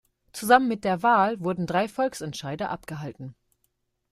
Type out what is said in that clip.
Zusammen mit der Wahl wurden drei Volksentscheide abgehalten.